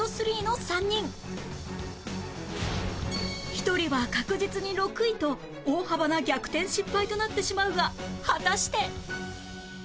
１人は確実に６位と大幅な逆転失敗となってしまうが果たして